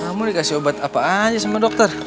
kamu dikasih obat apa aja sama dokter